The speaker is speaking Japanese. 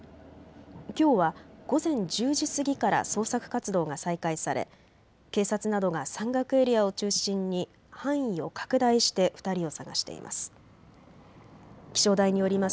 きょうは午前１０時過ぎから捜索活動が再開され警察などが山岳エリアを中心に範囲を拡大して２人を捜しています。